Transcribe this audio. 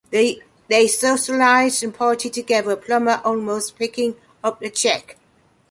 They socialized and partied together, with Plummer almost always picking up the check.